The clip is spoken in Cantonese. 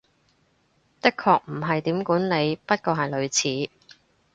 的確唔係點管理，不過係類似